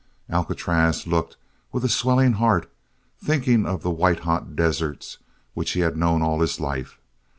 Alcatraz looked with a swelling heart, thinking of the white hot deserts which he had known all his life.